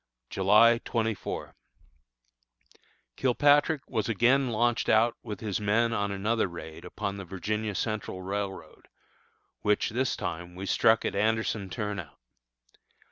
July 24. Kilpatrick was again launched out with his men on another raid upon the Virginia Central Railroad, which, this time, we struck at Anderson Turnout.